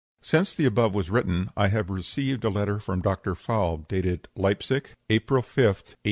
[Since the above was written I have received a letter from Dr. Falb, dated Leipsic, April 5th, 1881.